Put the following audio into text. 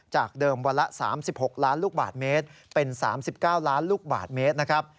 จากเดิมวันละ๓๖ล้านลูกบาทเมตรเป็น๓๙ล้านลูกบาทเมตรนะครับ